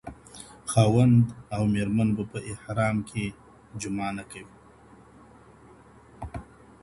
خاوند او ميرمن به په احرام کي جماع نه کوي.